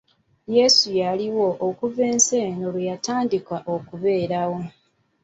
Yeesu yaliwo okuva ensi eno lwe yatandika okubeerawo.